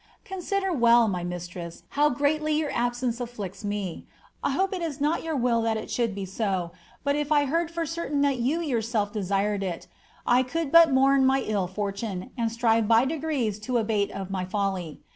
Consider well, my mistress, how greatly your absence afflicts me. I hope it is not your will that it should be so; but if I heard for certain that you yourself desired it, I could but mourn my ill fortune, and strive by degrees to abate of my folly.